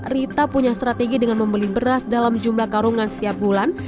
rita punya strategi dengan membeli beras dalam jumlah karungan setiap bulan